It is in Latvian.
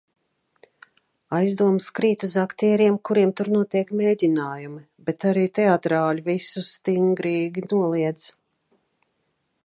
Aizdomas krīt uz aktieriem, kuriem tur notiek mēģinājumi, bet arī teatrāļi visu stingrīgi noliedz.